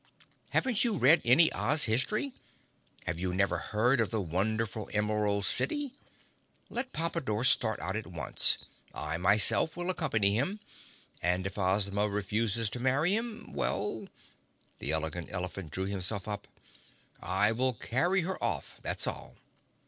Haven't you read any Oz history? Have you never heard of the wonderful Emerald City? Let Pompadore start out at once. I, myself, will accompany him, and if Ozma refuses to marry him—well"—the Elegant Elephant drew himself up—"I will carry her off—that's all!"